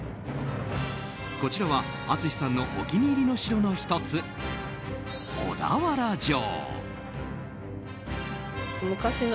こちらは淳さんのお気に入りの城の１つ、小田原城。